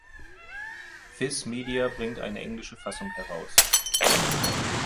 Viz Media bringt eine englische Fassung heraus.